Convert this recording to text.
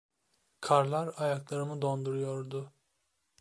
Karlar ayaklarımı donduruyordu.